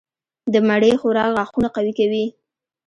د مڼې خوراک غاښونه قوي کوي.